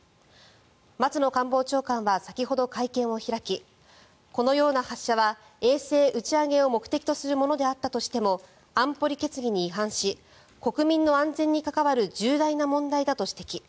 松野官房長官は先ほど会見を開きこのような発射は衛星打ち上げを目的とするものであったとしても安保理決議に違反し国民の安全に関わる重大な問題だと指摘。